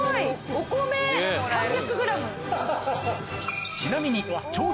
お米３００ｇ！